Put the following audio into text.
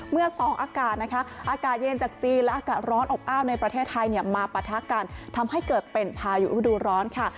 เมื่อสองอากาศนะคะอากาศเย็นจากจีนและอากาศร้อนอบอ้าวในประเทศไทยมาปะทะกันทำให้เกิดเป็นพายุฤดูร้อนค่ะ